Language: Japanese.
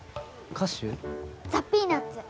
ザ・ピーナッツ。